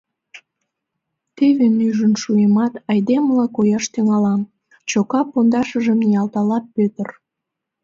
— Теве нӱжын шуэмат, айдемыла кояш тӱҥалам, — чока пондашыжым ниялткала Пӧтыр.